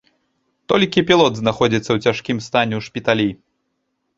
Толькі пілот знаходзіцца ў цяжкім стане ў шпіталі.